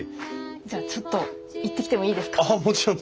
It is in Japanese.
じゃあちょっと行ってきてもいいですか？ああもちろん。